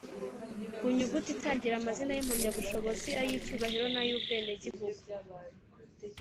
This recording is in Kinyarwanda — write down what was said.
Ku nyuguti itangira amazina y’impamyabushobozi, ay’icyubahiro, n’ay’ubwenegihugu.